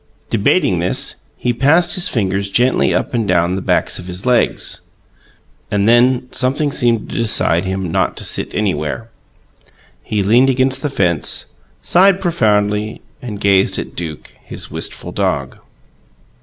Debating this, he passed his fingers gently up and down the backs of his legs; and then something seemed to decide him not to sit anywhere. He leaned against the fence, sighed profoundly, and gazed at Duke, his wistful dog.